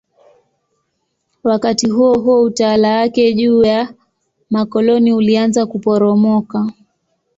Wakati huohuo utawala wake juu ya makoloni ulianza kuporomoka.